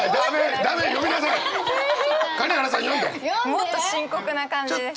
もっと深刻な感じです。